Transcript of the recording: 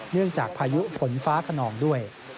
เนื่องจากภายุฝนฟ้าขนองด้วย